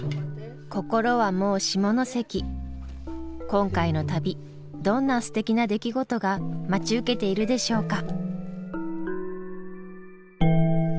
今回の旅どんなすてきな出来事が待ち受けているでしょうか。